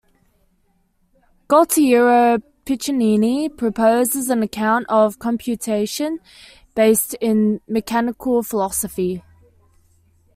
Gualtiero Piccinini proposes an account of computation based in mechanical philosophy.